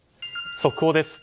速報です。